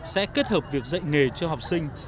sẽ kết hợp việc dạy nghề cho học sinh